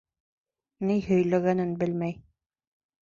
Ни һөйләгәнен белмәй...